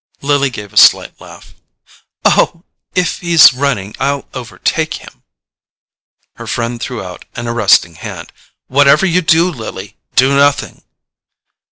Lily gave a slight laugh. "Oh, if he's running I'll overtake him!" Her friend threw out an arresting hand. "Whatever you do, Lily, do nothing!"